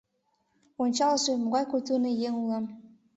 Ончалже, могай культурный еҥ улам.